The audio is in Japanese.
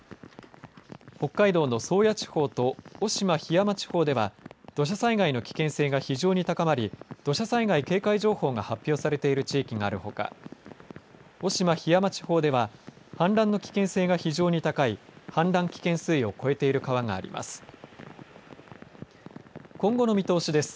北海道の宗谷地方と渡島・桧山地方では土砂災害の危険性が非常に高まり土砂災害警戒情報が発表されている地域があるほか渡島・桧山地方では氾濫の危険性が非常に高い氾濫危険水位を超えている川があります。